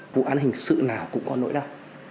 vụ án hình sự nào cũng có nỗi đau